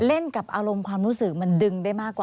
เล่นกับอารมณ์ความรู้สึกมันดึงได้มากกว่า